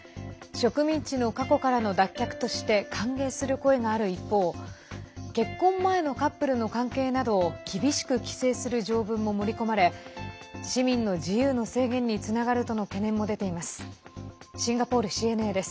植民地の過去からの脱却として歓迎する声がある一方結婚前のカップルの関係などを厳しく規制する条文も盛り込まれ市民の自由の制限につながるとの懸念も出ています。